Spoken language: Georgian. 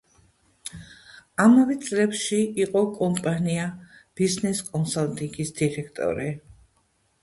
ამავე წლებში იყო კომპანია „ბიზნეს კონსალტინგის“ დირექტორი.